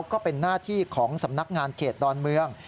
ก็เป็นหน้าที่ของสำนักงานเขตดอนเมือง